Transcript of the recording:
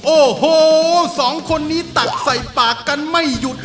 โอ้โหสองคนนี้ตักใส่ปากกันไม่หยุด